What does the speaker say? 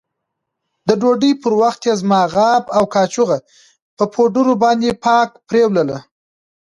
د ډوډۍ پر وخت يې زما غاب او کاشوغه په پوډرو باندې پاک پرېولل.